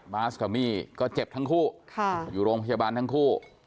บาสกับมี่ก็เจ็บทั้งคู่อยู่โรงพยาบาลทั้งคู่